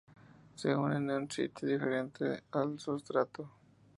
Se unen a un sitio diferente al sustrato.